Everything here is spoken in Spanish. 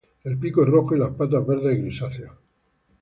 El pico es rojo y las patas verde grisáceo.